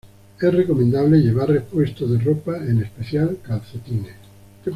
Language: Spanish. Es recomendable llevar repuesto de ropa, en especial calcetines.